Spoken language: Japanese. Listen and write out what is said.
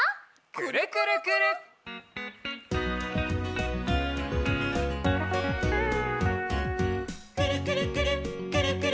「くるくるくるっくるくるくるっ」